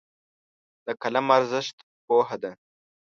د قلم ارزښت پوهه ده.